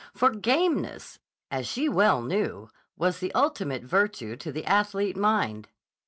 For gameness, as she well knew, was the ultimate virtue to the athlete mind.